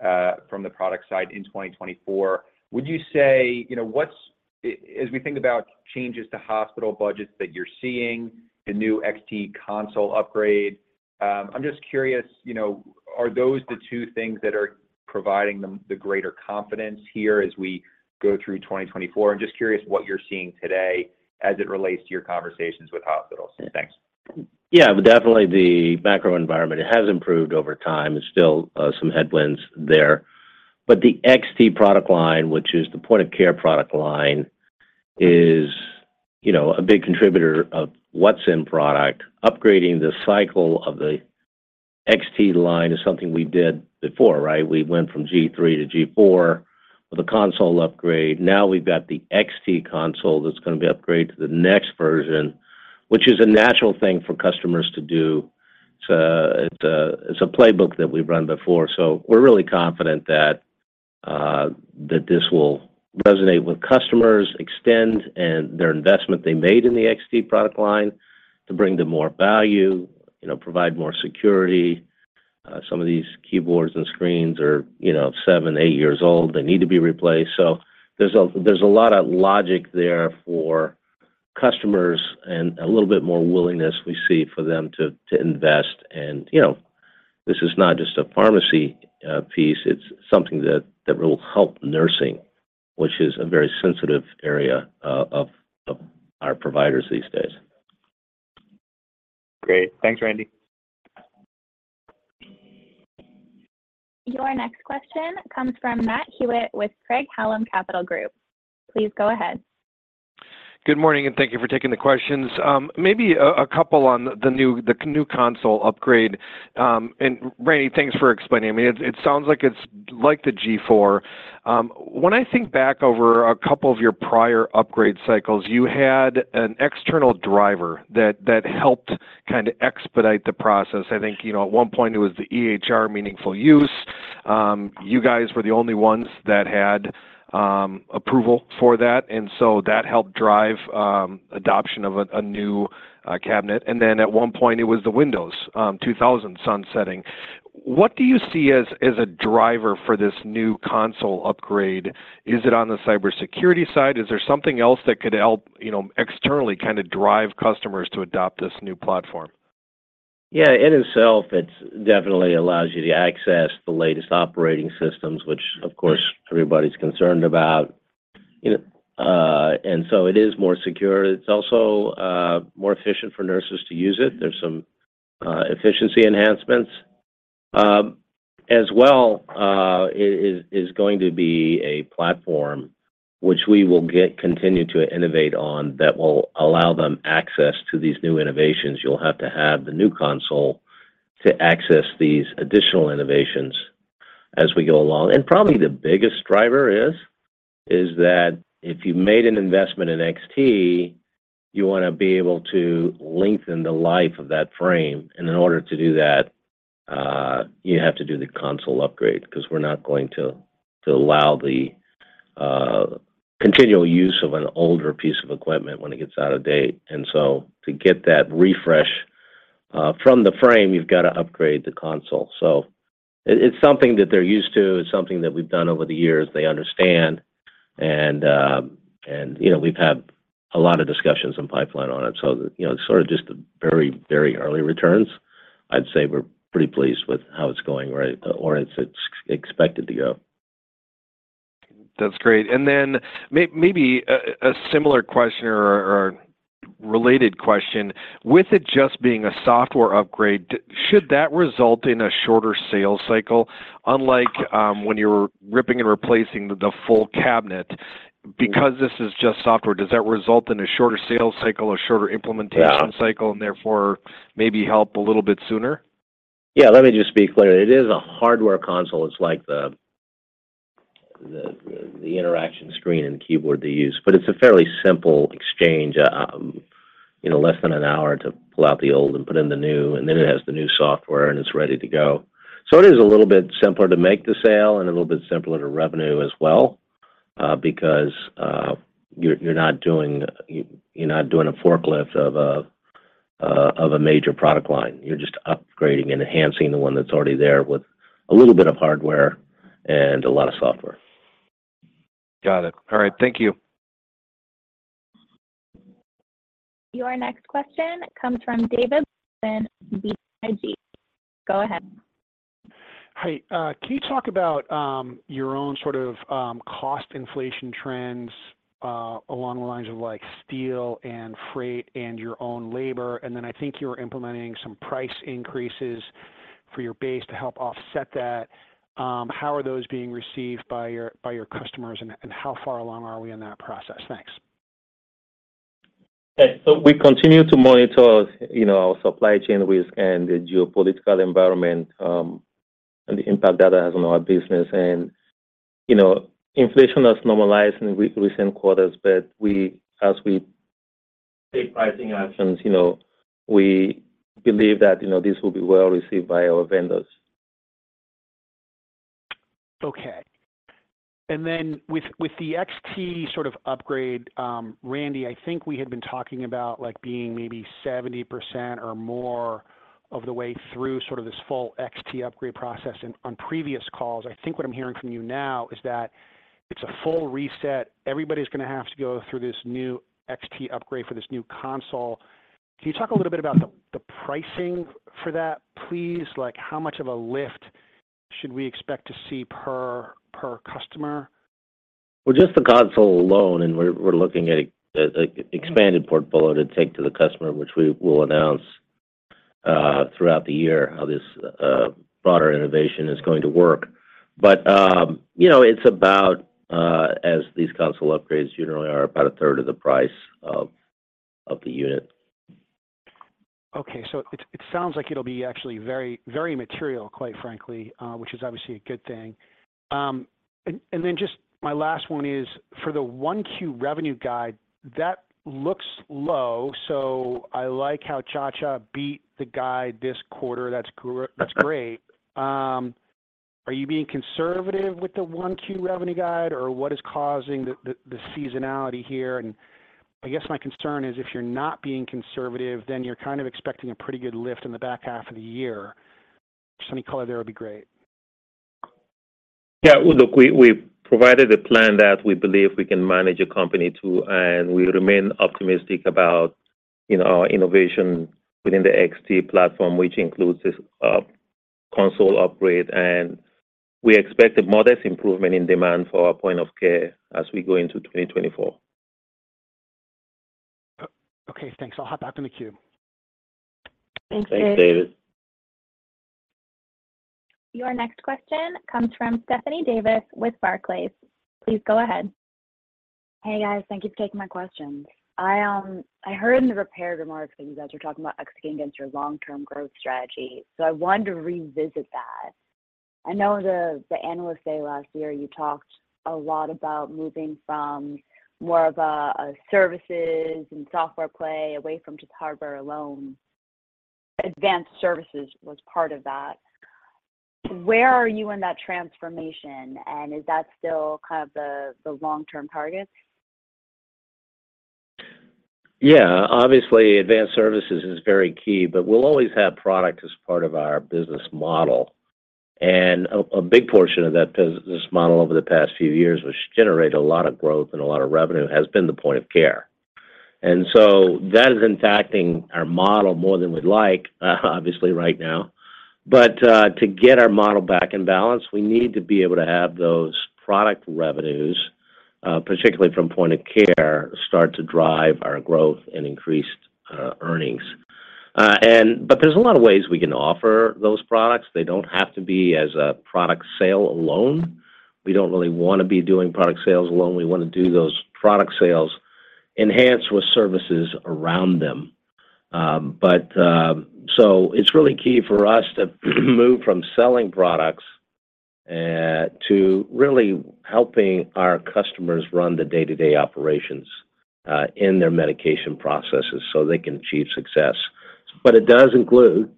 from the product side in 2024, would you say, you know, as we think about changes to hospital budgets that you're seeing, the new XT Console Upgrade, I'm just curious, you know, are those the two things that are providing them the greater confidence here as we go through 2024? I'm just curious what you're seeing today as it relates to your conversations with hospitals. Thanks. Yeah, but definitely the macro environment, it has improved over time. There's still some headwinds there. But the XT product line, which is the point-of-care product line, is, you know, a big contributor of what's in product. Upgrading the cycle of the XT line is something we did before, right? We went from G3 to G4 with a console upgrade. Now, we've got the XT console that's going to be upgraded to the next version, which is a natural thing for customers to do. It's a playbook that we've run before, so we're really confident that this will resonate with customers, extend, and their investment they made in the XT product line to bring them more value, you know, provide more security. Some of these keyboards and screens are, you know, seven, eight years old. They need to be replaced. So there's a lot of logic there for customers and a little bit more willingness we see for them to invest. And, you know, this is not just a pharmacy piece, it's something that will help nursing, which is a very sensitive area of our providers these days. Great. Thanks, Randy. Your next question comes from Matt Hewitt with Craig-Hallum Capital Group. Please go ahead. Good morning, and thank you for taking the questions. Maybe a couple on the new console upgrade. And Randy, thanks for explaining. I mean, it sounds like it's like the G4. When I think back over a couple of your prior upgrade cycles, you had an external driver that helped kinda expedite the process. I think, you know, at one point it was the EHR Meaningful Use. You guys were the only ones that had approval for that, and so that helped drive adoption of a new cabinet. And then at one point, it was the Windows 2000 sunsetting. What do you see as a driver for this new console upgrade? Is it on the cybersecurity side? Is there something else that could help, you know, externally kind of drive customers to adopt this new platform? Yeah, in itself, it definitely allows you to access the latest operating systems, which, of course, everybody's concerned about. And so it is more secure. It's also more efficient for nurses to use it. There's some efficiency enhancements. As well, it is going to be a platform which we will continue to innovate on that will allow them access to these new innovations. You'll have to have the new console to access these additional innovations as we go along. And probably the biggest driver is that if you made an investment in XT, you wanna be able to lengthen the life of that frame. And in order to do that, you have to do the console upgrade, because we're not going to allow the continual use of an older piece of equipment when it gets out of date. And so to get that refresh from the frame, you've got to upgrade the console. So it, it's something that they're used to. It's something that we've done over the years, they understand, and, and, you know, we've had a lot of discussions in pipeline on it. So, you know, it's sort of just the very, very early returns. I'd say we're pretty pleased with how it's going, right, or it's, it's expected to go. That's great. And then maybe a similar question or related question: with it just being a software upgrade, should that result in a shorter sales cycle, unlike when you were ripping and replacing the full cabinet? Because this is just software, does that result in a shorter sales cycle or shorter implementation- Yeah - cycle and therefore maybe help a little bit sooner? Yeah, let me just be clear. It is a hardware console. It's like the interaction screen and keyboard they use, but it's a fairly simple exchange, you know, less than an hour to pull out the old and put in the new, and then it has the new software and it's ready to go. So it is a little bit simpler to make the sale and a little bit simpler to revenue as well, because you're not doing a forklift of a major product line. You're just upgrading and enhancing the one that's already there with a little bit of hardware and a lot of software. Got it. All right, thank you. Your next question comes from David Larsen from BTIG. Go ahead. Hi, can you talk about, your own sort of, cost inflation trends, along the lines of like steel and freight and your own labor? And then I think you're implementing some price increases for your base to help offset that. How are those being received by your, by your customers, and, and how far along are we in that process? Thanks. Okay. We continue to monitor, you know, our supply chain risk and the geopolitical environment, and the impact that has on our business. You know, inflation has normalized in recent quarters, but we, as we take pricing actions, you know, we believe that, you know, this will be well received by our vendors. Okay. And then with the XT sort of upgrade, Randy, I think we had been talking about like being maybe 70% or more of the way through sort of this full XT upgrade process. And on previous calls, I think what I'm hearing from you now is that it's a full reset, everybody's going to have to go through this new XT upgrade for this new console. Can you talk a little bit about the pricing for that, please? Like, how much of a lift should we expect to see per customer? Well, just the console alone, and we're, we're looking at an expanded portfolio to take to the customer, which we will announce throughout the year, how this broader innovation is going to work. But, you know, it's about, as these console upgrades generally are, about a third of the price of, of the unit. Okay. So it sounds like it'll be actually very, very material, quite frankly, which is obviously a good thing. And then just my last one is, for the 1Q revenue guide, that looks low, so I like how Nchacha beat the guide this quarter. That's great. Are you being conservative with the 1Q revenue guide, or what is causing the seasonality here? And I guess my concern is, if you're not being conservative, then you're kind of expecting a pretty good lift in the back half of the year. Just any color there would be great. Yeah, look, we, we provided a plan that we believe we can manage a company to, and we remain optimistic about, you know, our innovation within the XT platform, which includes this Console Upgrade, and we expect a modest improvement in demand for our Point-of-Care as we go into 2024. Okay, thanks. I'll hop back in the queue. Thanks, David. Thanks, David. Your next question comes from Stephanie Davis with Barclays. Please go ahead. Hey, guys. Thank you for taking my questions. I heard in the prepared remarks that you guys are talking about executing against your long-term growth strategy, so I wanted to revisit that. I know the analyst day last year, you talked a lot about moving from more of a services and software play away from just hardware alone. Advanced services was part of that. Where are you in that transformation, and is that still kind of the long-term target? Yeah. Obviously, advanced services is very key, but we'll always have product as part of our business model. And a big portion of that business model over the past few years, which generated a lot of growth and a lot of revenue, has been the Point-of-Care. And so that is impacting our model more than we'd like, obviously, right now. But to get our model back in balance, we need to be able to have those product revenues, particularly from Point-of-Care, start to drive our growth and increased earnings. But there's a lot of ways we can offer those products. They don't have to be as a product sale alone. We don't really want to be doing product sales alone. We want to do those product sales enhanced with services around them. But... So it's really key for us to move from selling products to really helping our customers run the day-to-day operations in their medication processes so they can achieve success. But it does include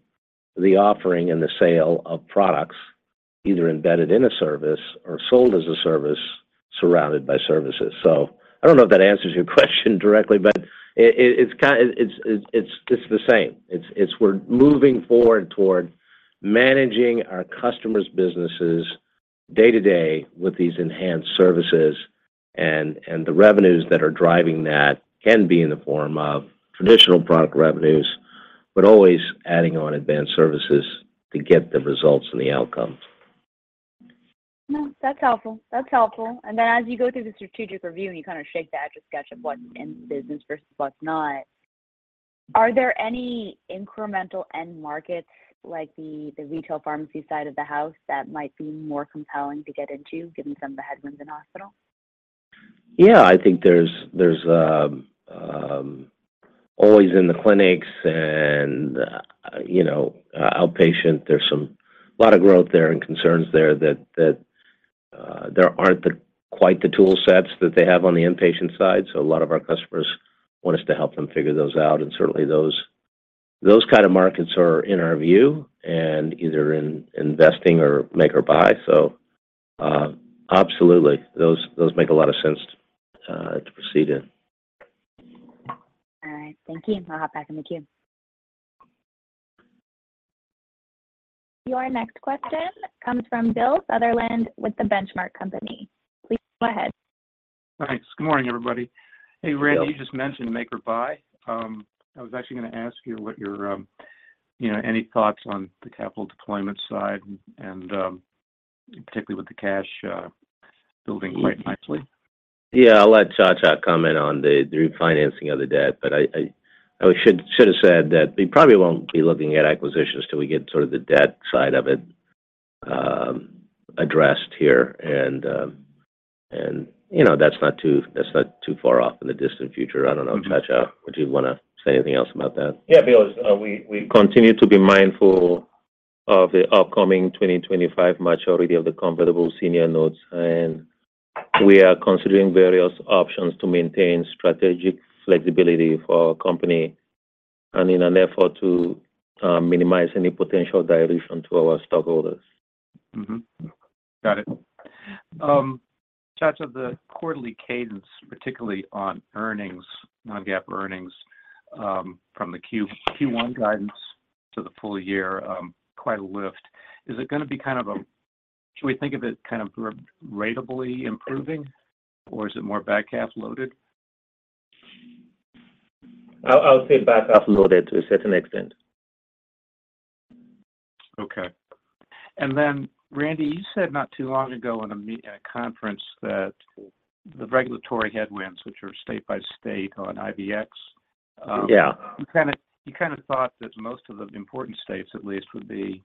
the offering and the sale of products, either embedded in a service or sold as a service, surrounded by services. So I don't know if that answers your question directly, but it's kind of the same. It's we're moving forward toward managing our customers' businesses day-to-day with these enhanced services, and the revenues that are driving that can be in the form of traditional product revenues, but always adding on advanced services to get the results and the outcomes. No, that's helpful. That's helpful. And then, as you go through the strategic review, and you kind of shake the Etch A Sketch of what's in business versus what's not, are there any incremental end markets like the, the retail pharmacy side of the house that might be more compelling to get into, given some of the headwinds in hospital? Yeah, I think there's always in the clinics and, you know, outpatient, there's a lot of growth there and concerns there that there aren't quite the tool sets that they have on the inpatient side. So a lot of our customers want us to help them figure those out, and certainly, those kind of markets are in our view and either in investing or make or buy. So, absolutely, those make a lot of sense to proceed in. All right. Thank you. I'll hop back in the queue. Your next question comes from Bill Sutherland with The Benchmark Company. Please go ahead. Thanks. Good morning, everybody. Hello. Hey, Randy, you just mentioned make or buy. I was actually gonna ask you what your, you know, any thoughts on the capital deployment side and, particularly with the cash, building quite nicely? Yeah, I'll let Nchacha comment on the refinancing of the debt, but I should have said that we probably won't be looking at acquisitions till we get sort of the debt side of it addressed here. And you know, that's not too far off in the distant future. I don't know, Nchacha, would you wanna say anything else about that? Yeah, Bill, we continue to be mindful of the upcoming 2025 maturity of the convertible senior notes, and we are considering various options to maintain strategic flexibility for our company and in an effort to minimize any potential dilution to our stockholders. Mm-hmm. Got it. Nchacha, the quarterly cadence, particularly on earnings, non-GAAP earnings, from the Q1 guidance to the full year, quite a lift. Is it gonna be kind of a... Should we think of it kind of ratably improving, or is it more back-half loaded? I'll say back-half loaded to a certain extent. Okay. And then, Randy, you said not too long ago in a conference that the regulatory headwinds, which are state by state on IVX, Yeah. You kind of, you kind of thought that most of the important states, at least, would be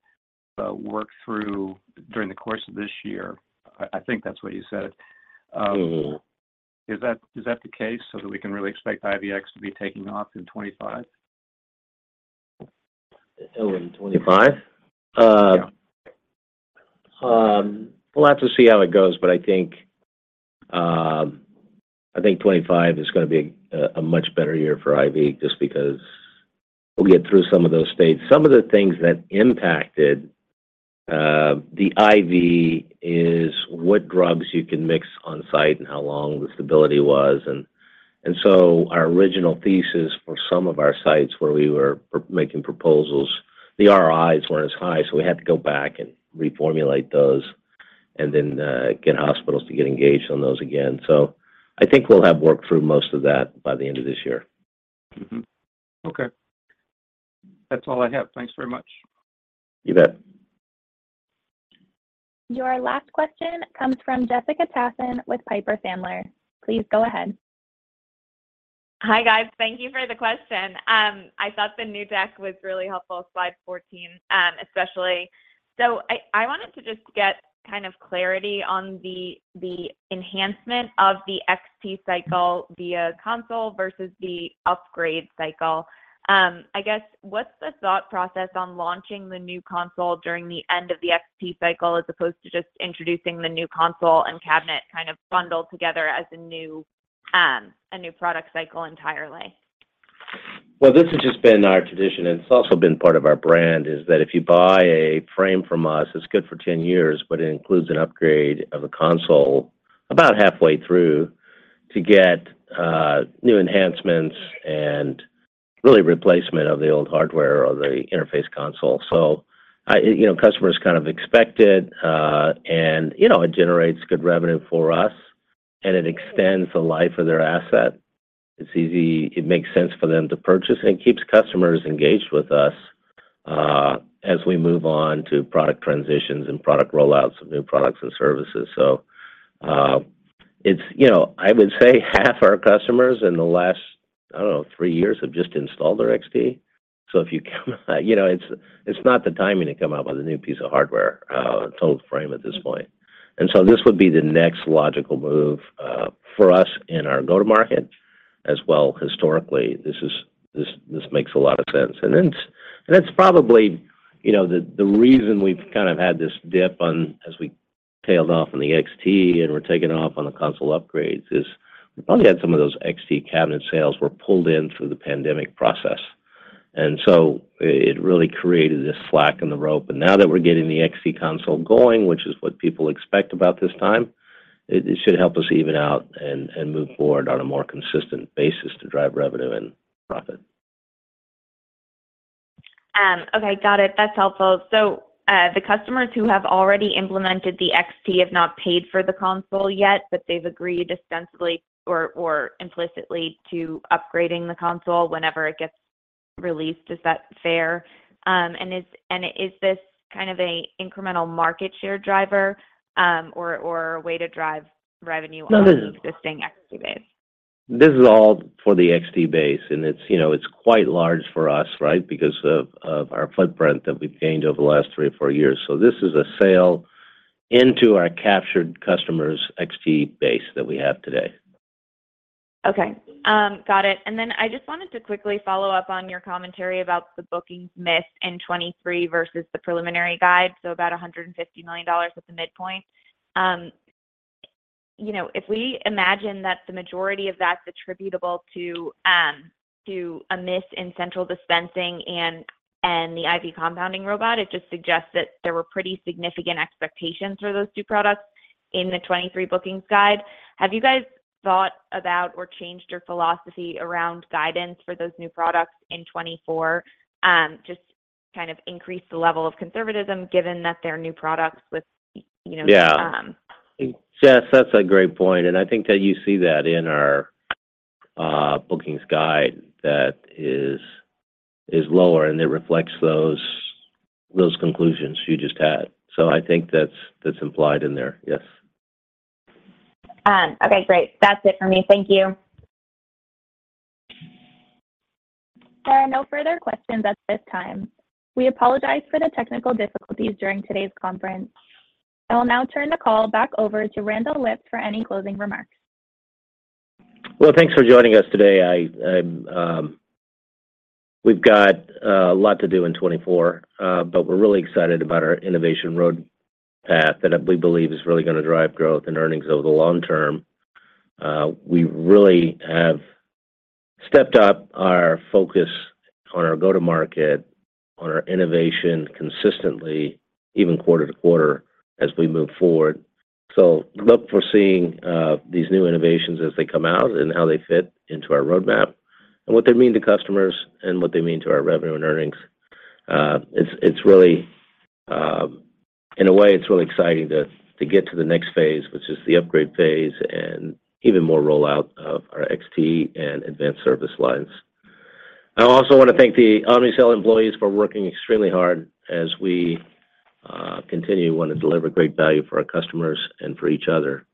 worked through during the course of this year. I, I think that's what you said. Mm-hmm. Is that, is that the case, so that we can really expect IVX to be taking off in 2025? In 2025? Yeah. We'll have to see how it goes, but I think I think 2025 is gonna be a much better year for IV, just because we'll get through some of those states. Some of the things that impacted the IV is what drugs you can mix on-site and how long the stability was. And so our original thesis for some of our sites where we were making proposals, the ROIs weren't as high, so we had to go back and reformulate those and then get hospitals to get engaged on those again. So I think we'll have worked through most of that by the end of this year. Mm-hmm. Okay. That's all I have. Thanks very much. You bet. Your last question comes from Jessica Tassan with Piper Sandler. Please go ahead. Hi, guys. Thank you for the question. I thought the new deck was really helpful, slide 14, especially. So I wanted to just get kind of clarity on the enhancement of the XT cycle via console versus the upgrade cycle. I guess, what's the thought process on launching the new console during the end of the XT cycle, as opposed to just introducing the new console and cabinet kind of bundled together as a new product cycle entirely? Well, this has just been our tradition, and it's also been part of our brand, is that if you buy a frame from us, it's good for 10 years, but it includes an upgrade of a console about halfway through to get new enhancements and really replacement of the old hardware or the interface console. So I, you know, customers kind of expect it, and, you know, it generates good revenue for us, and it extends the life of their asset. It's easy. It makes sense for them to purchase, and it keeps customers engaged with us, as we move on to product transitions and product rollouts of new products and services. So, it's, you know, I would say half our customers in the last, I don't know, three years have just installed their XT. So if you come, you know, it's not the timing to come out with a new piece of hardware, total frame at this point. And so this would be the next logical move, for us in our go-to-market as well. Historically, this makes a lot of sense. And it's probably, you know, the reason we've kind of had this dip on as we tailed off on the XT and we're taking off on the console upgrades is we probably had some of those XT cabinet sales were pulled in through the pandemic process. And so it really created this slack in the rope. And now that we're getting the XT console going, which is what people expect about this time, it should help us even out and move forward on a more consistent basis to drive revenue and profit. Okay, got it. That's helpful. So, the customers who have already implemented the XT have not paid for the console yet, but they've agreed ostensibly or implicitly to upgrading the console whenever it gets released. Is that fair? And is this kind of a incremental market share driver, or a way to drive revenue- No. On the existing XT base? This is all for the XT base, and it's, you know, it's quite large for us, right? Because of our footprint that we've gained over the last three or four years. So this is a sale into our captured customers XT base that we have today. Okay. Got it. And then I just wanted to quickly follow up on your commentary about the bookings miss in 2023 versus the preliminary guide, so about $150 million at the midpoint. You know, if we imagine that the majority of that's attributable to a miss in central dispensing and the IV compounding robot, it just suggests that there were pretty significant expectations for those two products in the 2023 bookings guide. Have you guys thought about or changed your philosophy around guidance for those new products in 2024? Just to kind of increase the level of conservatism, given that they're new products with, you know, Yeah. Jess, that's a great point, and I think that you see that in our bookings guide that is lower, and it reflects those conclusions you just had. So I think that's implied in there. Yes. Okay, great. That's it for me. Thank you. There are no further questions at this time. We apologize for the technical difficulties during today's conference. I will now turn the call back over to Randall Lipps for any closing remarks. Well, thanks for joining us today. We've got a lot to do in 2024, but we're really excited about our innovation road path that we believe is really going to drive growth and earnings over the long term. We really have stepped up our focus on our go-to-market, on our innovation consistently, even quarter to quarter as we move forward. So look for seeing these new innovations as they come out and how they fit into our roadmap and what they mean to customers and what they mean to our revenue and earnings. It's really, in a way, it's really exciting to get to the next phase, which is the upgrade phase and even more rollout of our XT and advanced service lines. I also want to thank the Omnicell employees for working extremely hard as we continue wanting to deliver great value for our customers and for each other,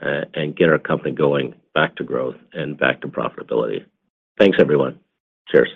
and get our company going back to growth and back to profitability. Thanks, everyone. Cheers!